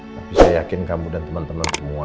tapi saya yakin kamu dan teman teman semua